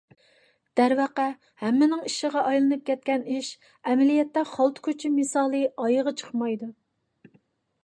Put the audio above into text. دەرۋەقە ھەممىنىڭ ئىشىغا ئايلىنىپ كەتكەن ئىش ئەمەلىيەتتە خالتا كوچا مىسالى ئايىغى چىقمايدۇ.